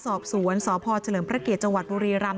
สอบสวนสพเฉลิมพระเกียรติจังหวัดบุรีรำ